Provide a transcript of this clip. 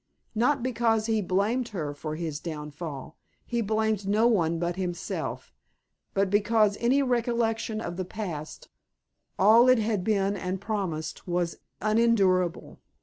Not because he blamed her for his downfall; he blamed no one but himself; but because any recollection of the past, all it had been and promised, was unendurable.